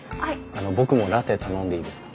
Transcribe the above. あの僕もラテ頼んでいいですか。